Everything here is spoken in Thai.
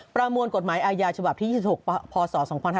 ประมวลกฎหมายอาญาฉบับที่๒๖พศ๒๕๕๙